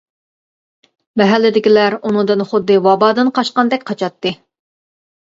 مەھەلىدىكىلەر ئۇنىڭدىن خۇددى ۋابادىن قاچقاندەك قاچاتتى.